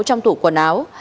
trong tủ quần áo